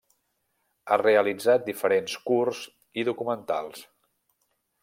Ha realitzat diferents curts i documentals.